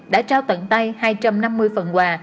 đã trao tận tay hai trăm năm mươi phần quà